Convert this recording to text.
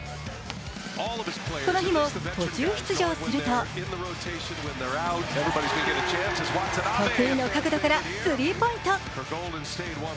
この日も途中出場すると得意の角度からスリーポイント。